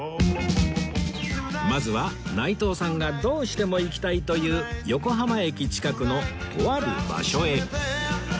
まずは内藤さんがどうしても行きたいという横浜駅近くのとある場所へ